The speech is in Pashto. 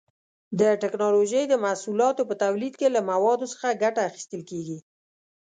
د ټېکنالوجۍ د محصولاتو په تولید کې له موادو څخه ګټه اخیستل کېږي.